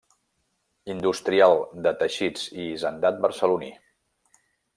Industrial de teixits i hisendat barceloní.